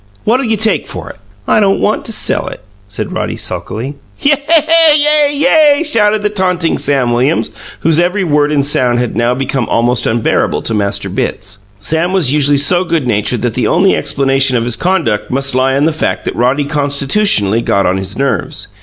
What'll you take for it?" "I don't want to sell it," said Roddy sulkily. "Yay! Yay! YAY!" shouted the taunting Sam Williams, whose every word and sound had now become almost unbearable to Master Bitts. Sam was usually so good natured that the only explanation of his conduct must lie in the fact that Roddy constitutionally got on his nerves.